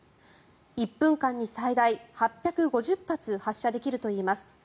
１分間に最大８５０発発射できるといいます。